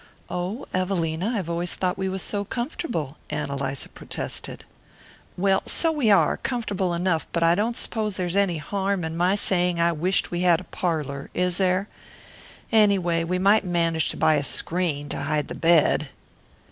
"Oh, Evelina, I've always thought we was so comfortable," Ann Eliza protested. "Well, so we are, comfortable enough; but I don't suppose there's any harm in my saying I wisht we had a parlour, is there? Anyway, we might manage to buy a screen to hide the bed."